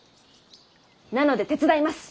なので手伝います